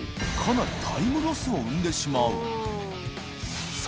覆タイムロスを生んでしまう磴